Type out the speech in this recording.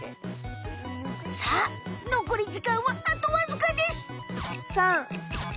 さあのこり時間はあとわずかです！